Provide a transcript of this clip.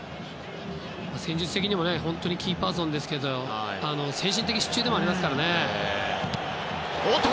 戦術的にもキーパーソンですけど精神的支柱でもありますからね。